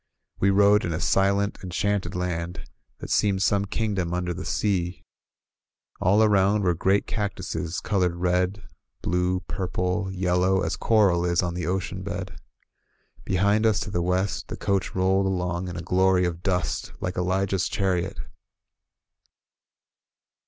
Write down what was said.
We rode in a silent, enchanted land, that seemed some kingdom under the sea. All aroimd were great cactuses colored red, blue, purple, yellow, as coral is on the ocean bed. Behind us, to the west, the coach rolled along in a glory of dust like Elijah's chariot.